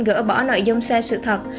gỡ bỏ nội dung xe sự thật